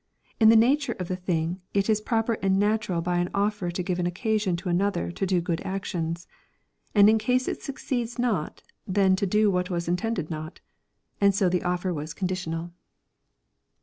In the nature of the thing it is proper and na^^ural by an offer to give an occasion to another to do good actions ; and in case it succeeds not then to do what was intended not ^nd so the offer was conditional."